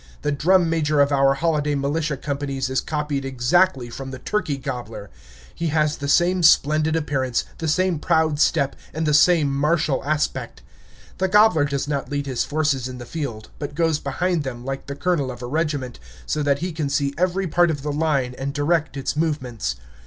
The drum major of our holiday militia companies is copied exactly from the turkey gobbler; he has the same splendid appearance, the same proud step, and the same martial aspect. The gobbler does not lead his forces in the field, but goes behind them, like the colonel of a regiment, so that he can see every part of the line and direct its movements.